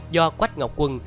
do quách ngọc quân